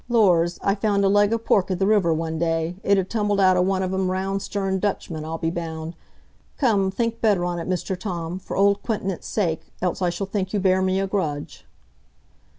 Lors! I found a leg o' pork i' the river one day; it had tumbled out o' one o' them round sterned Dutchmen, I'll be bound. Come, think better on it, Mr Tom, for old 'quinetance' sake, else I shall think you bear me a grudge."